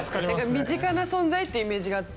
身近な存在っていうイメージがあって。